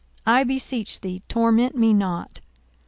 I beseech thee, torment me not.